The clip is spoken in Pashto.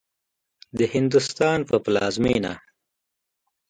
د هندوستان په پلازمېنه